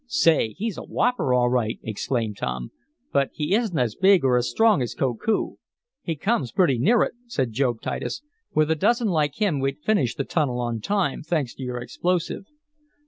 "Say, he's a whopper all right!" exclaimed Tom. "But he isn't as big or as strong as Koku." "He comes pretty near it," said Job Titus. "With a dozen like him we'd finish the tunnel on time, thanks to your explosive."